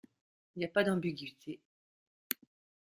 Il n’y a pas d’ambiguïtés.